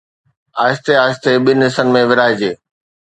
، آهستي آهستي ٻن حصن ۾ ورهائجي.